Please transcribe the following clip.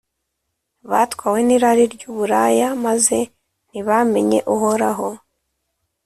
batwawe n’irari ry’uburaya, maze ntibamenye Uhoraho.